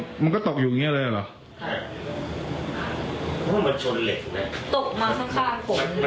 ตกมาข้างข้าง